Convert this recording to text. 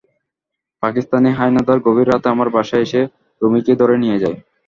পাকিস্তানি হানাদার গভীর রাতে আমার বাসায় এসে রুমীকে ধরে নিয়ে যায়।